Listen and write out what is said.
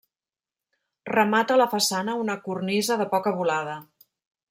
Remata la façana una cornisa de poca volada.